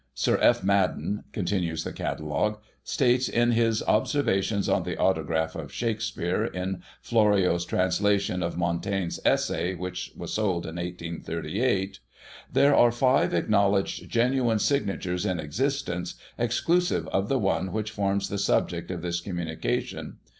Sir F. Madden (continues the catalogue) states in his " Ob servations on the autograph of Shakspere, in Florio's transla tion of Montaigne's Essay Sy which was sold in 1838 :" There are five acknowledged genuine signatures in existence, exclu sive of the one which forms the subject of this communica tion.